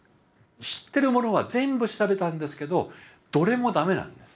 知ってるものは全部調べたんですけどどれもダメなんです。